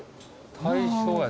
大正やて。